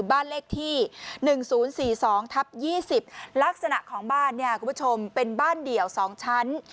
บ้านเลขที่๑๐๔๒ทับ๒๐ลักษณะของบ้านเนี่ยคุณผู้ชมเป็นบ้านเดี่ยว๒ชั้น